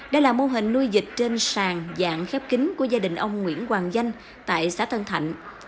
đây là mô hình nuôi dịch trên sàn dạng khép kính của gia đình ông nguyễn hoàng danh tại xã tân thạnh